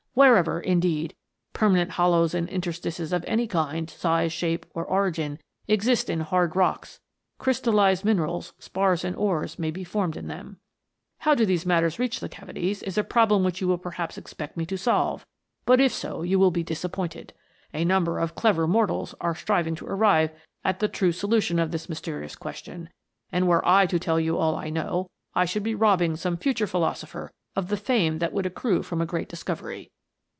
Wherever, indeed, permanent hollows and interstices of any kind, size, shape, or origin exist in hard rocks, crystallized minerals, spars, and ores may be formed in them. " How do these matters reach the cavities, is a problem which you will perhaps expect me to solve, but if so you will be disappointed. A number of clever mortals are striving to arrive at the true sohition of this mysterious question, and were I to tell you all I know, I should be robbing some future philosopher of the fame that will accrue from a great discovery.